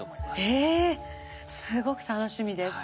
えっすごく楽しみです。